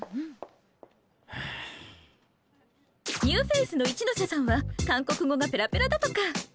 ニューフェースの一ノ瀬さんは韓国語がペラペラだとか。